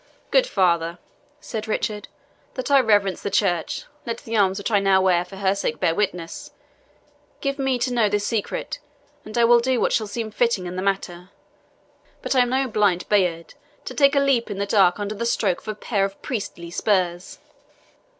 "Good father," said Richard, "that I reverence the church, let the arms which I now wear for her sake bear witness. Give me to know this secret, and I will do what shall seem fitting in the matter. But I am no blind Bayard, to take a leap in the dark under the stroke of a pair of priestly spurs."